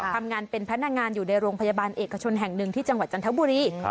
ทำงานเป็นพนักงานอยู่ในโรงพยาบาลเอกชนแห่งหนึ่งที่จังหวัดจันทบุรี